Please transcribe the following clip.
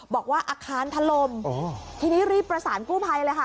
บอกว่าอาคารถล่มทีนี้รีบประสานกู้ภัยเลยค่ะ